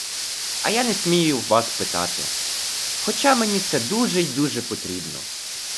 А я не смію вас питати, хоча мені це дуже й дуже потрібно.